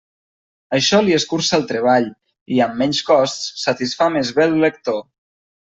Això li escurça el treball, i, amb menys costs, satisfà més bé el lector.